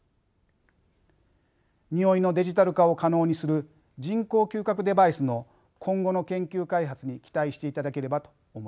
においのデジタル化を可能にする人工嗅覚デバイスの今後の研究開発に期待していただければと思います。